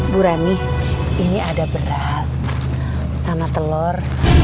bu rani ini ada beras sama telur